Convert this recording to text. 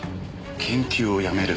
研究をやめる。